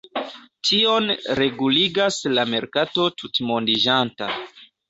Tion reguligas la merkato tutmondiĝanta.